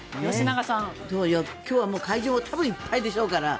今日は会場いっぱいでしょうから。